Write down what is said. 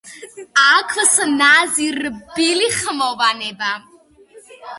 აქვს ნაზი, რბილი ხმოვანება.